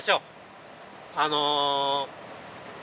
あの。